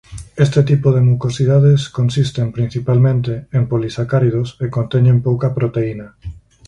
Este tipo de mucosidades consisten principalmente en polisacáridos e conteñen pouca proteína.